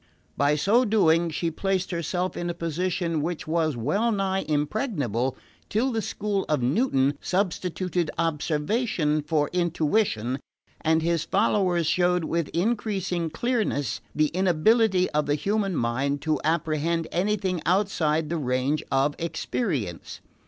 By so doing she placed herself in a position which was well nigh impregnable till the school of Newton substituted observation for intuition and his followers showed with increasing clearness the inability of the human mind to apprehend anything outside the range of experience.